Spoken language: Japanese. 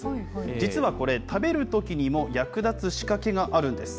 実はこれ、食べるときにも役立つ仕掛けがあるんです。